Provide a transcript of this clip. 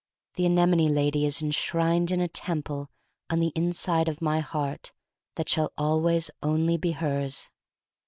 The anemone lady is enshrined in a temple on the inside of my heart that shall always only be hers.